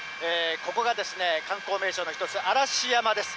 ここが観光名所の一つ、嵐山です。